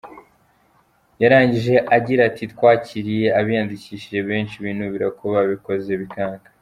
Yarangije agira ati :” Twakiriye abiyandikisha benshi binubira ko babikoze bikanga.